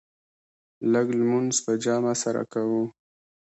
لږ لمونځ په جمع سره کوه.